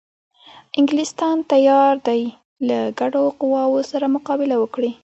انګلیسیان تیار دي له ګډو قواوو سره مقابله وکړي.